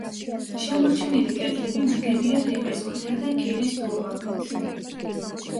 შემორჩენილი კედლები ნაგებია რიყის ქვითა და კირის დუღაბით.